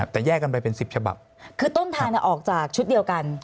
แต่แยกกันไปเป็น๑๐ฉบับคือต้นทางออกจากชุดเดียวกัน